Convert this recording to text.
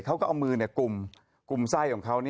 เขาก็เอามือกลุ่มไส้ของเขา